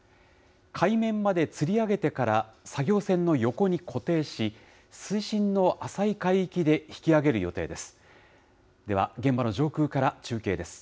海面までつり上げてから作業船の横に固定し、水深の浅い海域で引き揚げる予定です。